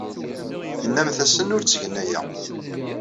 Tennamt-asen ur ttgen aya.